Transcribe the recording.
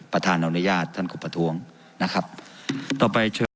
ประธานอนุญาตท่านคุณประท้วงนะครับต่อไป